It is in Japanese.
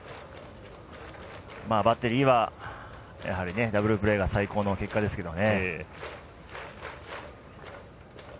バッテリーはダブルプレーが最高の結果ですね。